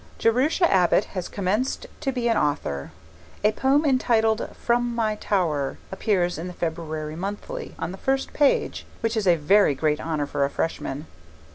Jerusha Abbott has commenced to be an author. A poem entitled, 'From my Tower', appears in the February Monthly on the first page, which is a very great honour for a Freshman.